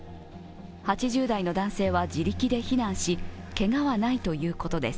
８０代の男性は自力で避難しけがはないということです。